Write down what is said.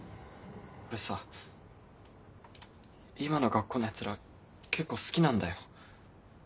俺さ今の学校のヤツら結構好きなんだよ。